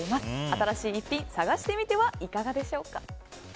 新しい一品、探してみてはいかがでしょうか？